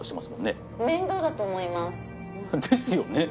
ですよね！